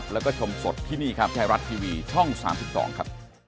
แล้วก็ชมสดที่นี่ครับไทยรัฐทีวีช่อง๓๒ครับ